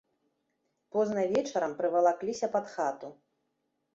Позна вечарам прывалакліся пад хату.